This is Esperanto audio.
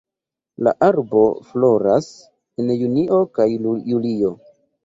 La arbo floras en junio kaj julio.